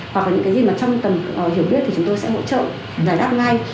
hoặc là những cái gì mà trong tầm hiểu biết thì chúng tôi sẽ hỗ trợ giải đáp ngay